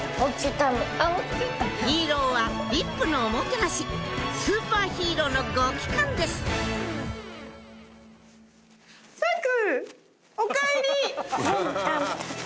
ヒーローはＶＩＰのおもてなしスーパーヒーローのご帰還ですさく！